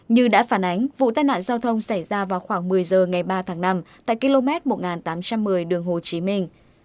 như đã phản ánh vụ tai nạn giao thông xảy ra vào khoảng một mươi giờ ngày ba tháng năm tại km một nghìn tám trăm một mươi đường hồ chí minh